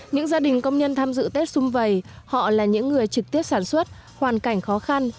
những gia đình công nhân tham dự tết xung vầy họ là những người trực tiếp sản xuất hoàn cảnh khó khăn